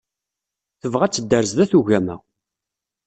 Tebɣa ad tedder sdat ugama.